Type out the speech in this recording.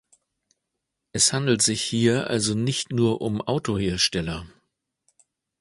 Es handelt sich hier also nicht nur um Autohersteller.